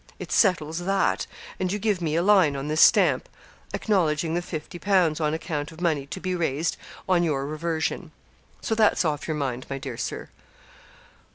It settles that; and you give me a line on this stamp, acknowledging the 50_l._ on account of money to be raised on your reversion. So that's off your mind, my dear Sir.'